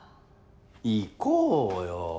行こうよ！